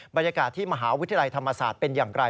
บรรยากาศที่มหาวิทยาลัยธรรมศาสตร์เป็นอย่างไร